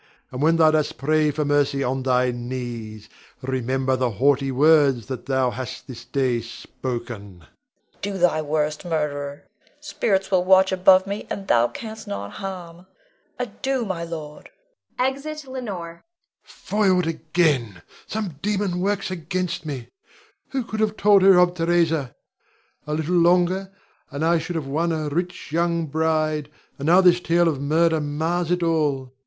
And when thou dost pray for mercy on thy knees, remember the haughty words thou hast this day spoken. Leonore. Do thy worst, murderer; spirits will watch above me, and thou canst not harm. Adieu, my lord. [Exit Leonore. Rod. Foiled again! Some demon works against me. Who could have told her of Theresa? A little longer, and I should have won a rich young bride, and now this tale of murder mars it all.